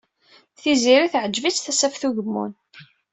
Tiziri teɛjeb-itt Tasaft Ugemmun.